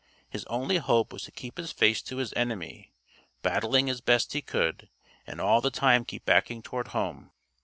His only hope was to keep his face to his enemy, battling as best he could, and all the time keep backing toward home.